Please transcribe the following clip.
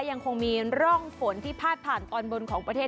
ยังคงมีร่องฝนที่พาดผ่านตอนบนของประเทศ